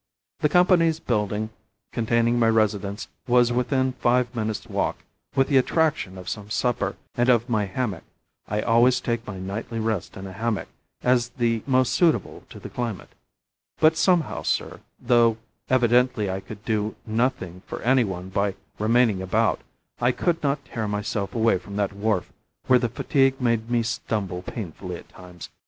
The Company's building containing my residence was within five minutes' walk, with the attraction of some supper and of my hammock (I always take my nightly rest in a hammock, as the most suitable to the climate); but somehow, sir, though evidently I could do nothing for any one by remaining about, I could not tear myself away from that wharf, where the fatigue made me stumble painfully at times.